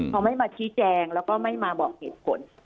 เขาไม่มาชี้แจงแล้วก็ไม่มาบอกเหตุผล